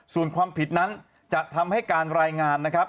ส่วนความผิดนั้นจะทำให้การรายงานนะครับ